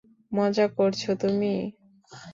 মজা করছো তুমি?